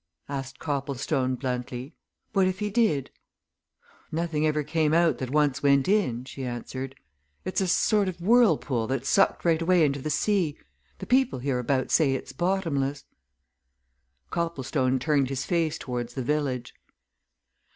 asked Copplestone bluntly, "what if he did?" "Nothing ever came out that once went in," she answered. "It's a sort of whirlpool that's sucked right away into the sea. The people hereabouts say it's bottomless." Copplestone turned his face towards the village.